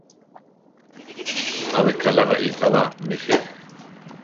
Abe kaʼla raícha ba, néje?